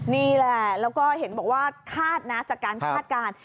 นี่แหละแล้วก็เห็นบอกว่าคาดนะจากการคาดการณ์